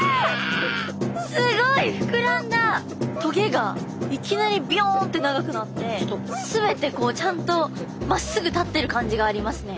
棘がいきなりビョンって長くなって全てこうちゃんとまっすぐ立ってる感じがありますね。